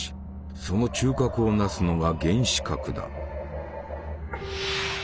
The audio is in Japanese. その中核を成すのが原子核だ。